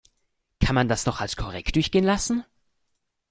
Kann man das noch als korrekt durchgehen lassen?